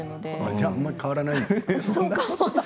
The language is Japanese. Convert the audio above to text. じゃああまり変わらないですか。